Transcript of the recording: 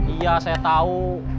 iya saya tau